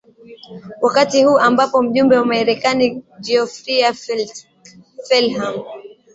wakati huu ambapo mjumbe wa marekani geoffrey feltham